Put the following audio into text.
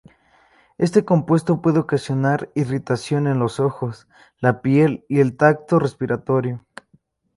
Este compuesto puede ocasionar irritación en los ojos, la piel y el tracto respiratorio.